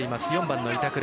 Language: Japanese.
４番の板倉。